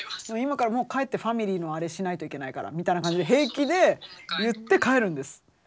今から帰ってファミリーのあれしないといけないからみたいな感じで平気で言って帰るんです。